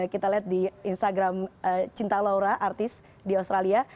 kita lihat di instagram cinta laura artis di australia